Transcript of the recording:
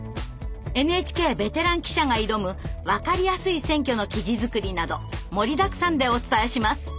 ＮＨＫベテラン記者が挑む分かりやすい選挙の記事作りなど盛りだくさんでお伝えします！